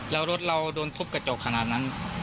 แล้วรถเราโดนทุบกระจกขนาดนั้น